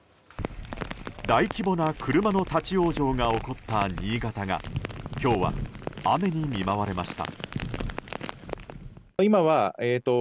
大規模な車の立ち往生が起こった新潟が今日は雨に見舞われました。